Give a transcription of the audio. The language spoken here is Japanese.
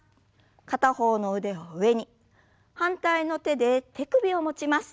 片方の腕を上に反対の手で手首を持ちます。